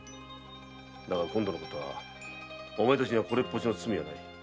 だが今度のことはお前たちにはこれっぽっちの罪もない。